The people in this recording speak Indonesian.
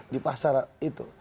di pasar itu